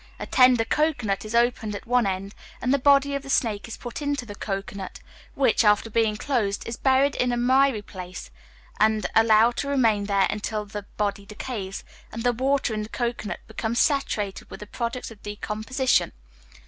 A tender cocoanut is opened at one end, and the body of the snake is put into the cocoanut, which, after being closed, is buried in a miry place, and allowed to remain there until the body decays, and the water in the cocoanut becomes saturated with the products of decomposition.